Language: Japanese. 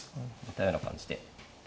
似たような感じで。